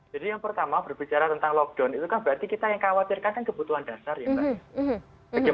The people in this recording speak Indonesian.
jadi yang pertama berbicara tentang lockdown itu kan berarti kita yang khawatirkan kan kebutuhan dasar ya pak